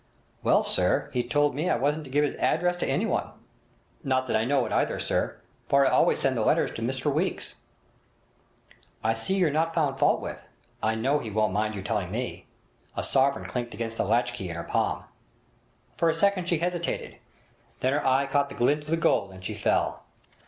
'Well, sir, he told me I wasn't to give his address to anyone. Not that I know it either, sir, for I always send the letters to Mr Weeks.' 'I'll see you're not found fault with. I know he won't mind your telling me.' A sovereign clinked against the latch key in her palm. For a second she hesitated, then her eye caught the glint of the gold, and she fell.